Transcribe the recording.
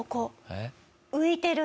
えっ？